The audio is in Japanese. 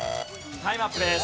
タイムアップです。